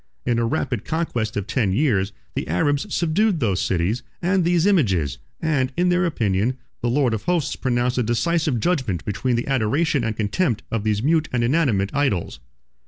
In a rapid conquest of ten years, the Arabs subdued those cities and these images; and, in their opinion, the Lord of Hosts pronounced a decisive judgment between the adoration and contempt of these mute and inanimate idols.